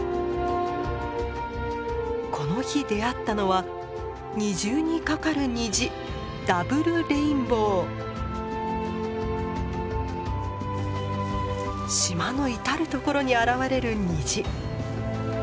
この日出会ったのは２重にかかる虹島の至る所に現れる虹。